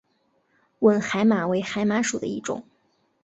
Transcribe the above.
吻海马为海马属的一种。